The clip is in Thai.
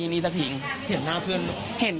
เห็นแต่ไม่ได้เปิดตรงนี้ดู